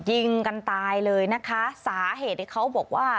ยิงกันตายเลยนะคะสาเหตุที่เขาบอกว่า